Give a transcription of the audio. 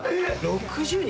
６０人。